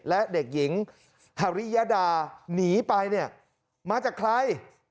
และเด็กหญิงฮาริยดาหนีไปเนี่ยมาจากใคร